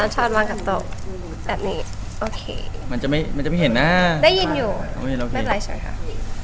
อ๋อชอบมากับตรงแบบนี้โอเคมันจะไม่เห็นหน้าได้ยินอยู่ไม่เป็นไรใช่ไหมครับ